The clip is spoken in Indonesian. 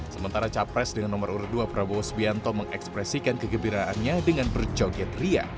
sementara capres dengan nomor urut dua prabowo subianto mengekspresikan kegembiraannya dengan berjoget ria